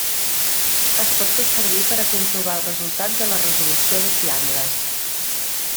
Es pot fer servir per a comprovar el resultat de la resolució de triangles.